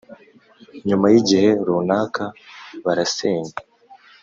Nyuma y igihe runaka barasenya